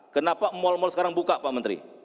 kenapa mal mal sekarang buka pak menteri